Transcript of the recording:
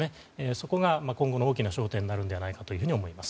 そこが今後の大きな焦点になるのではと思います。